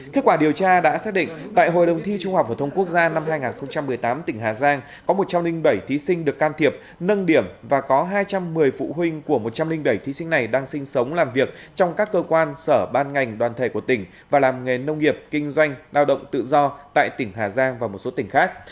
kết quả điều tra đã xác định tại hội đồng thi trung học phổ thông quốc gia năm hai nghìn một mươi tám tỉnh hà giang có một trăm linh bảy thí sinh được can thiệp nâng điểm và có hai trăm một mươi phụ huynh của một trăm linh bảy thí sinh này đang sinh sống làm việc trong các cơ quan sở ban ngành đoàn thể của tỉnh và làm nghề nông nghiệp kinh doanh lao động tự do tại tỉnh hà giang và một số tỉnh khác